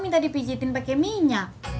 minta dipijetin pake minyak